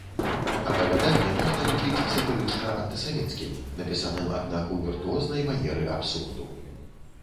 Апавяданне можна лічыць сатырычна-антысавецкім, напісаным, аднак, у віртуознай манеры абсурду.